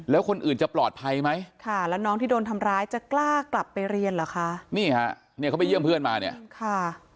แล้วคนอื่นจะปลอดภัยไหมค่ะแล้วน้องที่โดนทำร้ายจะกล้ากลับไปเรียนเหรอคะนี่ฮะเนี่ยเขาไปเยี่ยมเพื่อนมาเนี่ยค่ะ